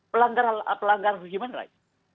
pelanggar human rights